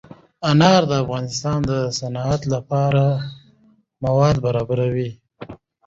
انار د افغانستان د صنعت لپاره مواد برابروي.